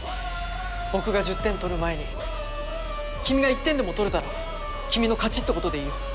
僕が１０点取る前に君が１点でも取れたら君の勝ちってことでいいよ。